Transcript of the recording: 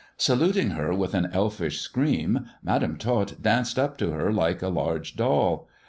Saluting her with an elfish scream, Madam Tot danced up to her like a large doll.